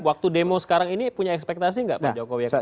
waktu demo sekarang ini punya ekspektasi nggak pak jokowi